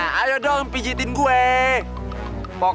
pokoknya yang pijitin yang paling enak